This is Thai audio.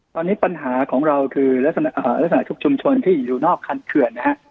ตอนนี้ปัญหาของเราคือลักษณะทุกชุมชนที่อยู่นอกคันเขื่อนนะฮะ